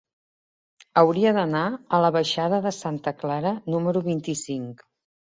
Hauria d'anar a la baixada de Santa Clara número vint-i-cinc.